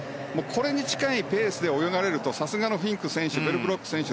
これに近いペースで泳がれるとさすがのフィンク選手ベルブロック選手